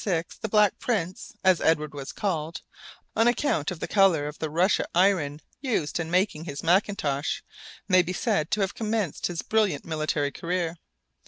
] In 1346 the Black Prince, as Edward was called, on account of the color of the Russia iron used in making his mackintosh, may be said to have commenced his brilliant military career.